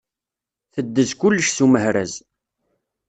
Teddez kullec s umehraz